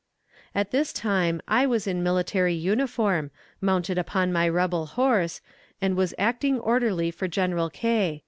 At this time I was in military uniform, mounted upon my rebel horse, and was acting orderly for General K.